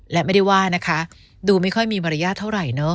และไม่ได้ว่านะคะดูไม่ค่อยมีมารยาทเท่าไหร่เนอะ